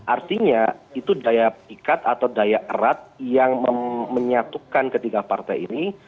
artinya itu daya pikat atau daya erat yang menyatukan ketiga partai ini